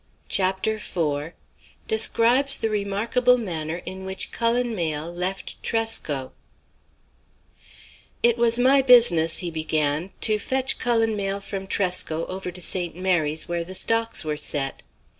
CHAPTER IV DESCRIBES THE REMARKABLE MANNER IN WHICH CULLEN MAYLE LEFT TRESCO "It was my business," he began, "to fetch Cullen Mayle from Tresco over to St. Mary's where the stocks were set.